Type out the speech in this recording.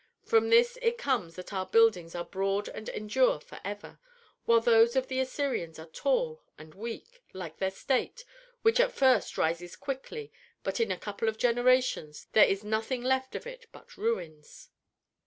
From this it comes that our buildings are broad and endure forever, while those of the Assyrians are tall and weak, like their state, which at first rises quickly, but in a couple of generations there is nothing left of it but ruins.